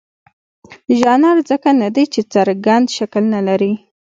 ژانر ځکه نه دی چې څرګند شکل نه لري.